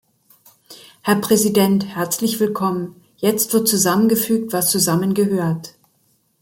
Herr Präsident Herzlich willkommen, jetzt wird zusammengefügt, was zusammengehört.